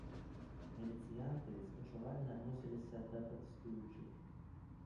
Міліцыянты спачувальна адносіліся да пратэстуючых.